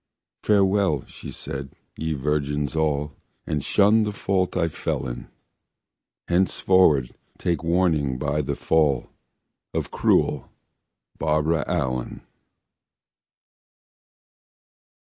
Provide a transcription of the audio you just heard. "Farewell", she said, "ye virgins all, And shun the fault I fell in: Henceforward take warning by the fall Of cruel Barbara Allen."